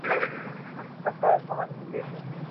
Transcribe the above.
د کندهار انار د ميرويس خان نيکه په وخت کي چېرته تلل؟